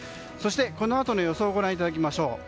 このあとの予想をご覧いただきましょう。